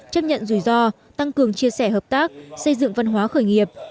chấp nhận rủi ro tăng cường chia sẻ hợp tác xây dựng văn hóa khởi nghiệp